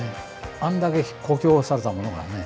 あんだけ酷評されたものがね。